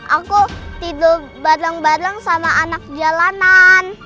aku tidur bareng bareng sama anak jalanan